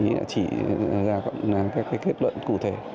đã chỉ ra các kết luận cụ thể